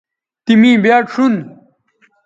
تی می بیاد شون